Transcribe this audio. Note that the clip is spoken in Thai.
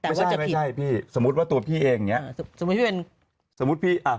ไม่ใช่สมมุติว่าตัวพี่เองเนี่ย